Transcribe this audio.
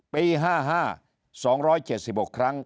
ปี๕๕๒๗๖ครั้ง